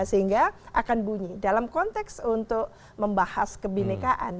sehingga akan bunyi dalam konteks untuk membahas kebinekaan